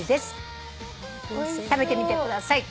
「食べてみてください」